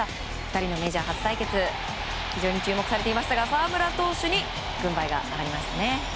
２人のメジャー初対決非常に注目されていましたが澤村投手に軍配が上がりましたね。